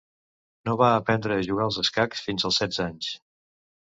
No va aprendre a jugar als escacs fins als setze anys.